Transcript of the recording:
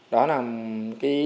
đó là cái phao bật ra khi mà lên cao